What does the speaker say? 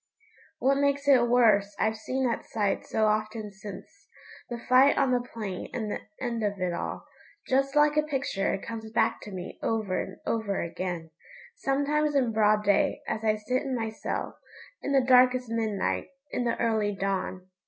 What makes it worse I've seen that sight so often since the fight on the plain and the end of it all. Just like a picture it comes back to me over and over again, sometimes in broad day, as I sit in my cell, in the darkest midnight, in the early dawn.